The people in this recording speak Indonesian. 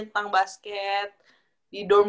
tentang basket di dorm